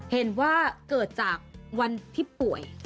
เห็นว่าเกิดจากวันที่ป่วย